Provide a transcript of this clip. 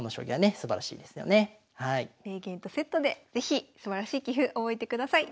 名言とセットで是非すばらしい棋譜覚えてください。